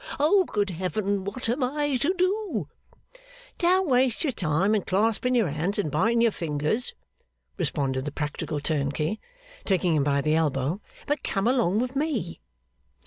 Oh, good heaven, what am I to do!' 'Don't waste your time in clasping your hands and biting your fingers,' responded the practical turnkey, taking him by the elbow, 'but come along with me.